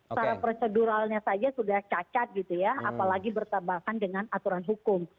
secara proseduralnya saja sudah cacat gitu ya apalagi bertambahkan dengan aturan hukum